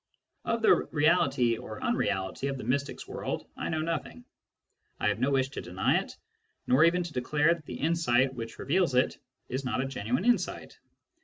Of the reality or unreality of the mystic's world I know nothing. I have no wish to deny it, nor even to declare that the insight which reveals it is not a genuine insight.